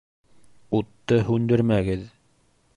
Утты һүндермәгеҙ